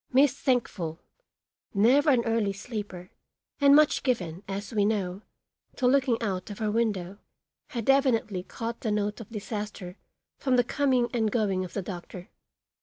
Miss Thankful, never an early sleeper and much given, as we know, to looking out of her window, had evidently caught the note of disaster from the coming and going of the doctor.